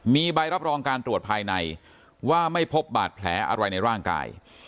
มีใบรับรองการตรวจภายในว่าไม่พบบาดแผลอะไรในร่างกาย